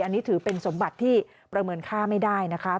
อันนี้ถือเป็นสมบัติที่ประเมินค่าไม่ได้นะคะ